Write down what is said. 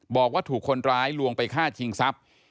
บอกว่าถูกคนร้ายลวงไปฆ่าชิงทรัพย์